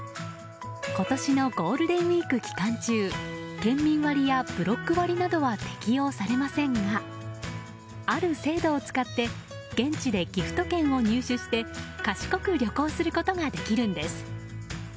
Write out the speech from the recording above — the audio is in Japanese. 今年のゴールデンウィーク期間中県民割やブロック割などは適用されませんがある制度を使って現地でギフト券を入手して賢く旅行することができるんです。